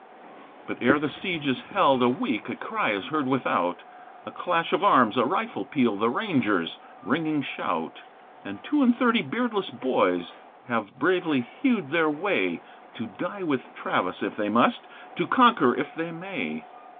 But ere the siege is held a week a cry is heard without, A clash of arms, a rifle peal, the Ranger's ringing shout, And two and thirty beardless boys have bravely hewed their way To die with Travis if they must, to conquer if they may.